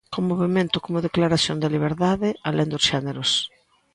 Co movemento como declaración de liberdade, alén dos xéneros.